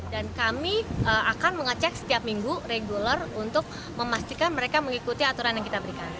dan kami akan mengecek setiap minggu regular untuk memastikan mereka mengikuti aturan yang kita berikan